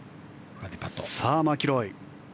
さあ、マキロイ。